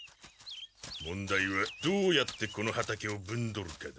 問題はどうやってこの畑をぶんどるかだ。